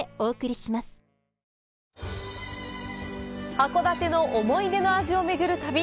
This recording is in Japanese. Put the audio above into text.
函館の思い出の味をめぐる旅。